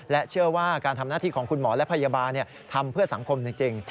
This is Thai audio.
เชื่อว่าการทำหน้าที่ของคุณหมอและพยาบาลทำเพื่อสังคมจริง